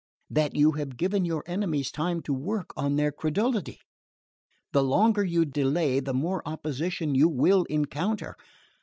That you have given your enemies time to work on their credulity. The longer you delay the more opposition you will encounter.